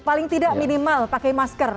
paling tidak minimal pakai masker